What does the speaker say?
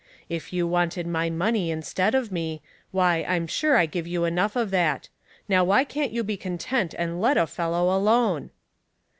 If you wanted my money instead of me, why, I'm sure I give you enough of that. Now why can't you be content and let a fellow alone